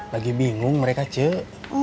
lagi bingung mereka cik